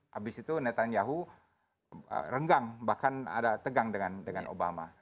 habis itu netanyahu renggang bahkan ada tegang dengan obama